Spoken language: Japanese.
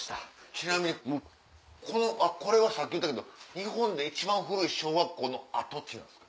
ちなみにこれはさっき言ったけど日本で一番古い小学校の跡地なんですか？